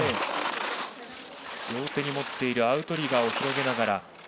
両手に持っているアウトリガーを広げながら。